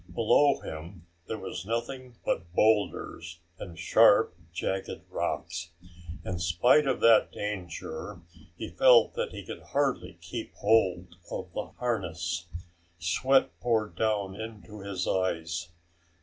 Below him there was nothing but boulders and sharp jagged rocks. In spite of that danger, he felt that he could hardly keep hold of the harness. Sweat poured down into his eyes.